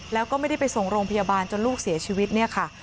แล้วก็ไม่ได้ไปส่งโรงพยาบาลจนลูกเสียชีวิตเนี่ยค่ะ